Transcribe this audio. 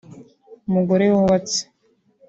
umugore wubatse